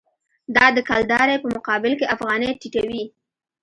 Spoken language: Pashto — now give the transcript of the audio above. دا د کلدارې په مقابل کې افغانۍ ټیټوي.